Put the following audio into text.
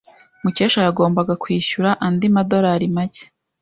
Mukesha yagombaga kwishyura andi madorari make.